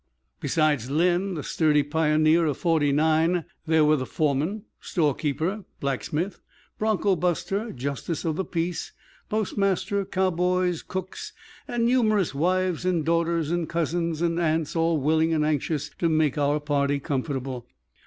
Besides Len, the sturdy pioneer of '49, there were the foremen, store keeper, blacksmith, bronco buster, justice of the peace, postmaster, cowboys, cooks, and numerous wives and daughters and cousins and aunts all willing and anxious to make our party comfortable.